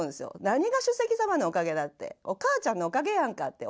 何が主席様のおかげだってお母ちゃんのおかげやんかって。